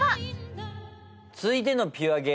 ［続いては］